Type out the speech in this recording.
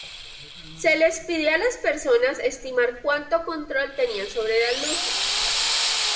Se les pidió a las personas estimar cuánto control tenían sobre las luces.